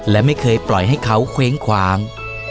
และไม่เคยปล่อยให้เขาเคว้งคว้าง